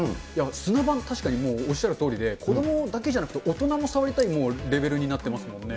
砂場、確かにおっしゃるとおりで、子どもだけじゃなくて大人も触りたいレベルになってますもんね。